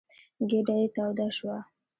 ګېډه یې توده شوه.